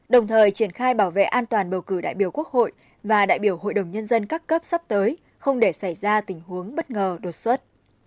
đồng thời triển khai bảo vệ an toàn bầu cử đại biểu quốc hội và đại biểu hội đồng nhân dân các cấp sắp tới không để xảy ra tình huống bất ngờ đột xuất